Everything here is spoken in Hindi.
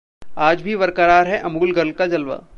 आज भी बरकरार है अमूल गर्ल का जलवा!